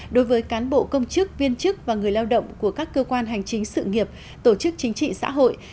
đối với cán bộ công chức viên chức và người lao động của các cơ quan hành chính sự nghiệp tổ chức chính trị xã hội